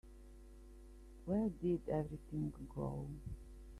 Where did everything go?